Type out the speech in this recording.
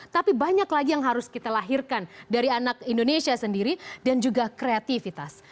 tapi banyak lagi yang harus kita lahirkan dari anak indonesia sendiri dan juga kreativitas